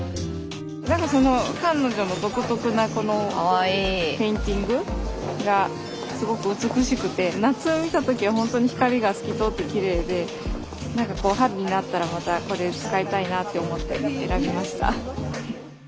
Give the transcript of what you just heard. なんかその彼女の独特なこのペインティングがすごく美しくて夏見た時はほんとに光が透き通ってきれいでなんかこう春になったらまたこれ使いたいなって思って選びました。